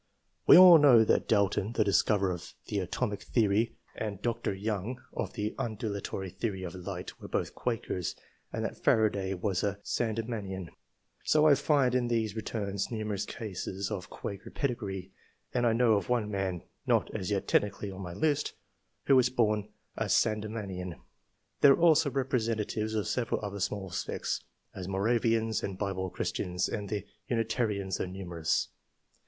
We all know that J '24 ENGLISH MEN OF SCIENCE. [cuap. JJalton, the discoverer of the atomic theory, and Dr. Youug, of the undulatory theory of light, were l)oth Quakers, and that Faraday was a Sandemanian, So I find in these returns numerous cases of Quaker pedigree ; and I know of one man, not as yet technically on my list, who was bom a Sandemanian. There are also representatives of several other small sects, as Moravians and Bible Christians, and the Uni tarians are numerous.